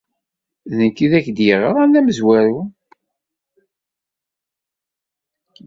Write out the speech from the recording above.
D nekk ay ak-d-yeɣran d amezwaru.